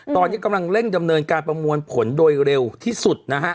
ตอนนี้กำลังเร่งดำเนินการประมวลผลโดยเร็วที่สุดนะฮะ